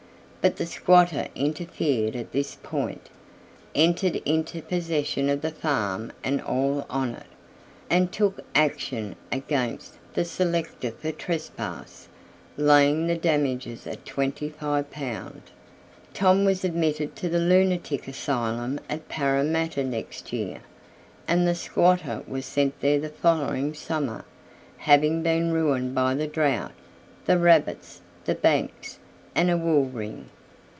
But the squatter interfered at this point, entered into possession of the farm and all on it, and took action against the selector for trespass laying the damages at L2500. Tom was admitted to the lunatic asylum at Parramatta next year, and the squatter was sent there the following summer, having been ruined by the drought, the rabbits, the banks, and a wool ring.